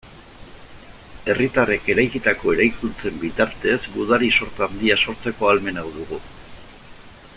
Herritarrek eraikitako eraikuntzen bitartez, gudari sorta handia sortzeko ahalmena dugu.